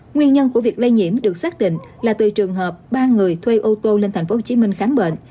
nguyên nhân của việc lây nhiễm được xác định là từ trường hợp ba người thuê ô tô lên tp hcm khám bệnh